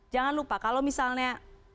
jangan lupa kalau misalnya